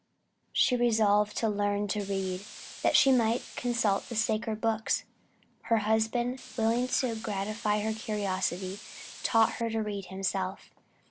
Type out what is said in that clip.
She resolved to learn to read, that she might consult the sacred books. Her husband, willing to gratify her curiosity, taught her to read himself.